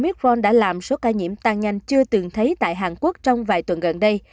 bidron đã làm số ca nhiễm tăng nhanh chưa từng thấy tại hàn quốc trong vài tuần gần đây